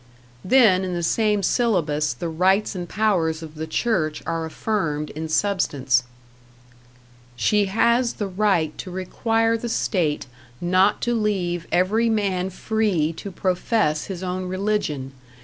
Then in the same Syllabus the rights and powers of the Church are affirmed in substance: She has the right to require the state not to leave every man free to profess his own religion.